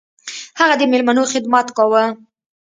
هغه د میلمنو خدمت کاوه.